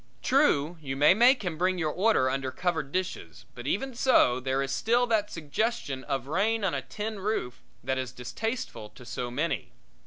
True, you may make him bring your order under covered dishes, but even so, there is still that suggestion of rain on a tin roof that is distasteful to so many.